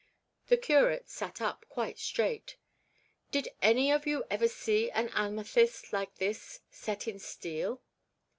The curate sat up quite straight. 'Did any of you ever see an amethyst like this set in steel?'